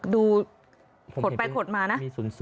ขดไปขดมานะ